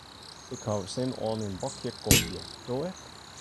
Ik haw sin oan in bakje kofje, do ek?